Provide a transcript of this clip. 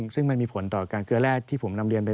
ซึ่งมันมีผลต่อการเกลือแร่ที่ผมนำเรียนไป